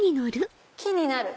木になる。